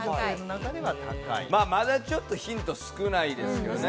まだちょっとヒント少ないですよね。